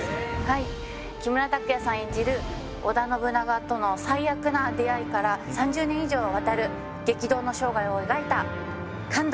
木村拓哉さん演じる織田信長との最悪な出会いから３０年以上にわたる激動の生涯を描いた感動